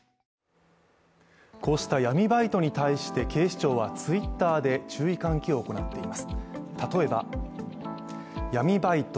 こうした闇バイトに対して警視庁はＴｗｉｔｔｅｒで注意喚起を行っています。